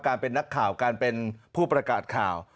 การเป็นนักข่าวการเป็นผู้ประกาศข่าว